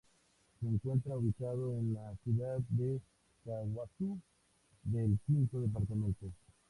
Se encuentra ubicado en la ciudad de Caaguazú, del V Departamento.